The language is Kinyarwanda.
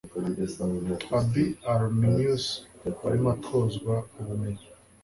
ibi arminius warimo atozwa ubumenyi